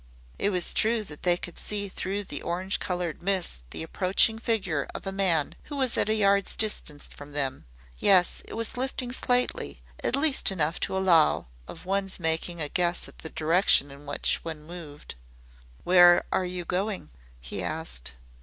It was true that they could see through the orange colored mist the approaching figure of a man who was at a yard's distance from them. Yes, it was lifting slightly at least enough to allow of one's making a guess at the direction in which one moved. "Where are you going?" he asked.